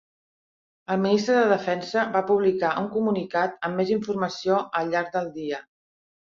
El Ministre de Defensa va publicar un comunicat amb més informació al llarg del dia.